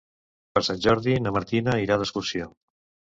Per Sant Jordi na Martina irà d'excursió.